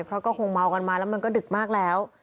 เพราะก็คงเมากันมาแล้วมันก็ดึกมากแล้ว